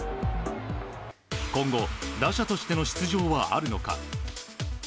今後、打者としての出場はあるのか。